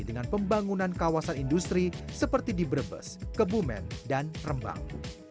dengan pembangunan kawasan industri seperti di brebes kebumen dan rembang